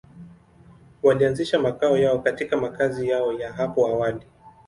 Walianzisha makao yao katika makazi yao ya hapo awali.